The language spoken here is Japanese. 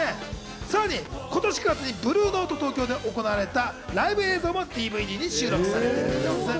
さらに今年９月にブルーノート東京で行われたライブ映像もＤＶＤに収録されています。